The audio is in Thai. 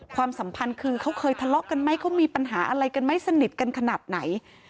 ความสัมพันธ์คือเขาเคยทะเลาะกันไหมเขามีปัญหาอะไรกันไหมสนิทกันขนาดไหน